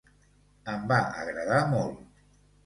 Em va agradar molt.